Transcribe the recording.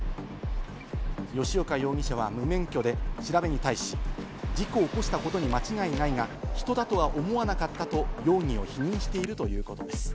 吉岡容疑者は無免許で調べに対し、事故を起こしたことに間違いないが、人だとは思わなかったと容疑を否認しているということです。